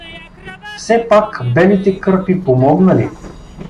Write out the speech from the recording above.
Все пак белите кърпи помогнали.